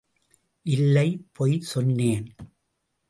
இல்லை பொய் சொன்னேன்.